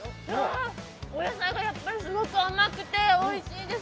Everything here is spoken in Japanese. お野菜がすごく甘くておいしいです。